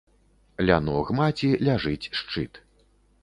Ля ног маці ляжыць шчыт.